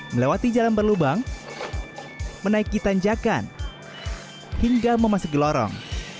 melewati jalan berlubang menaiki tanjakan hingga memasuki lorong